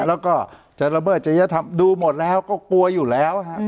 แล้วก็จะระเบิดจะยัดทำดูหมดแล้วก็กลัวอยู่แล้วอืม